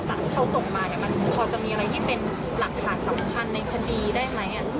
มันก็จะมีอะไรที่เป็นหลักฐานสำคัญในคดีได้ไหม